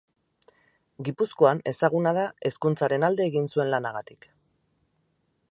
Gipuzkoan ezaguna da hezkuntzaren alde egin zuen lanagatik.